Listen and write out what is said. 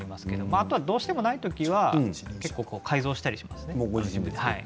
あとはどうしてもないときには改造したりしています。